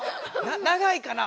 長いかなぁ。